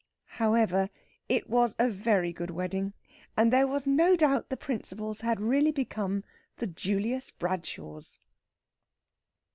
However, it was a very good wedding, and there was no doubt the principals had really become the Julius Bradshaws.